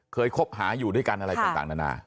คบหาอยู่ด้วยกันอะไรต่างนานา